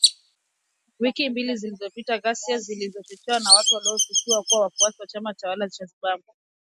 Wiki mbili zilizopita, ghasia zilizochochewa na watu wanaoshukiwa kuwa wafuasi wa chama tawala cha Zimbabwe